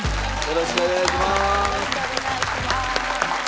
よろしくお願いします。